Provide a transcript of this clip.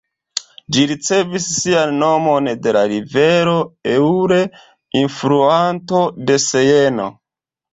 Ĝi ricevis sian nomon de la rivero Eure, alfluanto de Sejno.